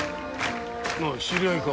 何だ知り合いか？